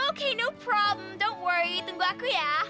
oke no problem don't worry tunggu aku ya